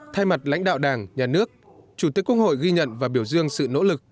thay mặt lãnh đạo đảng nhà nước chủ tịch quốc hội ghi nhận và biểu dương sự nỗ lực